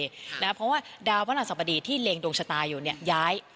เพราะว่าดาวพระราชสบดีที่เล็งดวงชะตาอยู่เนี่ยย้าย